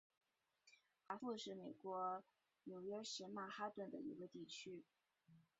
华埠是美国纽约市曼哈顿的一个地区。